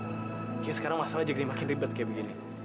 kira kira sekarang masalah jadi makin ribet kayak begini